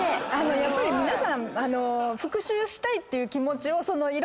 やっぱり皆さん。